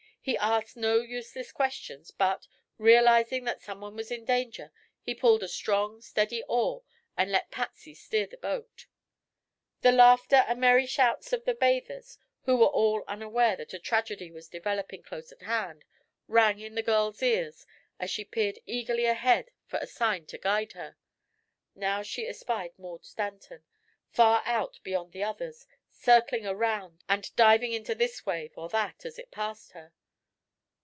He asked no useless questions but, realizing that someone was in danger, he pulled a strong, steady oar and let Patsy steer the boat. The laughter and merry shouts of the bathers, who were all unaware that a tragedy was developing close at hand, rang in the girl's ears as she peered eagerly ahead for a sign to guide her. Now she espied Maud Stanton, far out beyond the others, circling around and diving into this wave or that as it passed her.